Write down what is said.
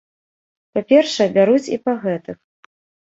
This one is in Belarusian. Па-першае, бяруць і па гэтых.